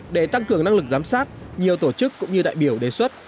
để tăng cường năng lực giám sát nhiều tổ chức cũng như đại biểu đề xuất